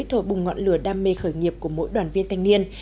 thổi bùng ngọn lửa đam mê khởi nghiệp của mỗi đoàn viên thanh niên